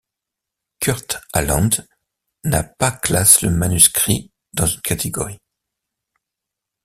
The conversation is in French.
Kurt Aland n'a pas classe le manuscrit dans une Catégorie.